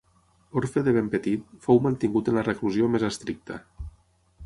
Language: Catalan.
Orfe de ben petit, fou mantingut en la reclusió més estricta.